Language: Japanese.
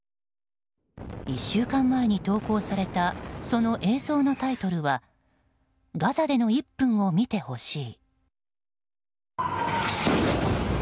１週間前に投稿されたその映像のタイトルはガザでの１分を見てほしい。